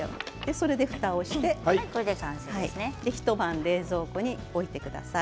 それで、ふたをして一晩冷凍庫に置いてください。